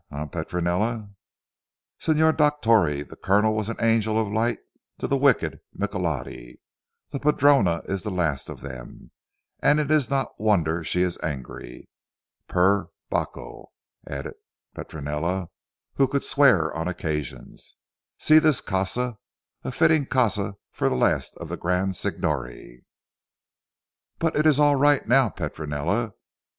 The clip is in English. Eh, Petronella?" "Signor Dottore, the Colonel was an angel of light to the wicked Michelotti. The padrona is the last of them, and it is not wonder she is angry. Per Bacco," added Petronella who could swear on occasions, "see this casa a fitting casa for the last of the grand signori." "But it is all right now Petronella.